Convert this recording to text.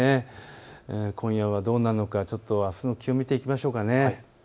今夜はどうなるのか、あすの気温を見ていきましょう。